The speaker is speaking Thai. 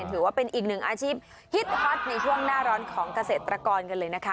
ถือว่าเป็นอีกหนึ่งอาชีพฮิตฮอตในช่วงหน้าร้อนของเกษตรกรกันเลยนะคะ